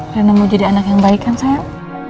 rena mau jadi anak yang baik kan sayang